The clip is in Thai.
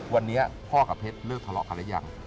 วันนี้พ่อกับเพชรเลิกทะเลาะกันหรือยัง